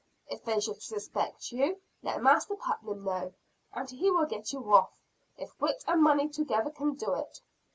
"If they should suspect you, let Master Putnam know, and he will get you off, if wit and money together can do it."